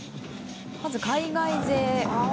まず、海外勢。